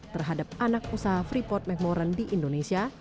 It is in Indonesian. terhadap anak usaha freeport mcmoran di indonesia